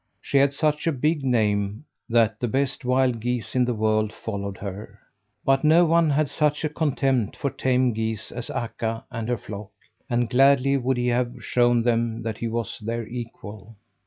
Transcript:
She had such a big name that the best wild geese in the world followed her. But no one had such a contempt for tame geese as Akka and her flock, and gladly would he have shown them that he was their equal.